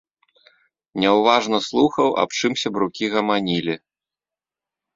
Няўважна слухаў, аб чым сябрукі гаманілі.